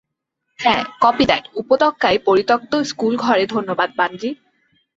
হ্যা, কপি দ্যাট উপত্যকায় পরিত্যক্ত স্কুলঘরে ধন্যবাদ, বানজি।